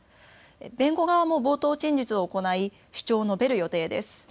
弁護側も冒頭陳述を行い主張を述べる予定です。